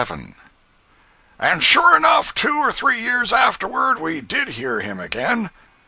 And sure enough, two or three years afterward, we did hear him again.